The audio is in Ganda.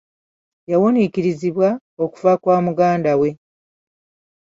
Yawuniikirizibwa okufa kwa mugandawe.